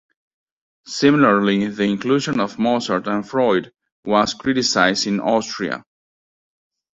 Similarly the inclusion of Mozart and Freud was criticized in Austria.